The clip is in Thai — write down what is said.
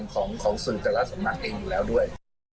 ของศึกรสมัครเองอยู่แล้วด้วย